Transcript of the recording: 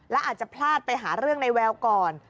และอาจจะพลาดไปหาเรื่องในแววก่อน